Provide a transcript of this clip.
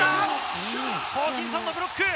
ホーキンソンのブロック。